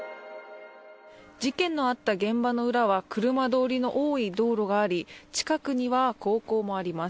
事件のあった現場の裏は車通りの多い道路があり近くには高校もあります。